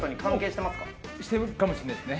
してるかもしれないですね。